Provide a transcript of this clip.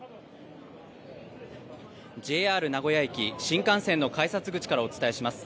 ＪＲ名古屋駅、新幹線の改札口からお伝えします。